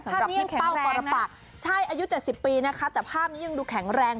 สำหรับพี่เป้าปรปักใช่อายุ๗๐ปีนะคะแต่ภาพนี้ยังดูแข็งแรง